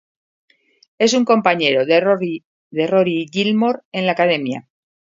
Es un compañero de Rory Gilmore en la Academia.